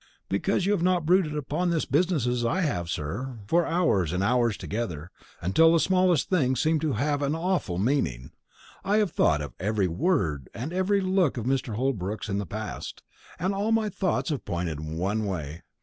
"Because you have not brooded upon this business as I have, sir, for hours and hours together, until the smallest things seem to have an awful meaning. I have thought of every word and every look of Mr. Holbrook's in the past, and all my thoughts have pointed one way.